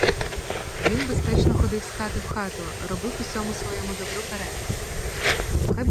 Він безпечно ходив з хати в хату — робив усьому своєму добру перепис.